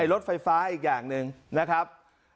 รถไฟฟ้าอีกอย่างหนึ่งนะครับ